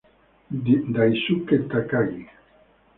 Daisuke Takagi